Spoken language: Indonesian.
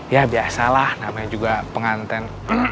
ya biasalah namanya juga penganten